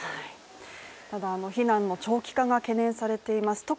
避難の長期化が懸念されています。